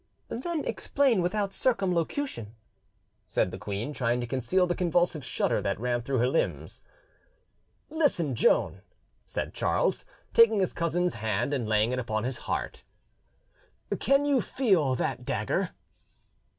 "Then explain without circumlocution," said the queen, trying to conceal the convulsive shudder that ran through her limbs. "Listen, Joan," said Charles, taking his cousin's hand and laying it upon his heart: "can you feel that dagger?"